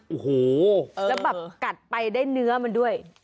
โอ้โหแล้วแบบกัดไปได้เนื้อมันด้วย